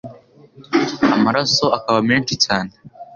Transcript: amaraso akaba menshi cyane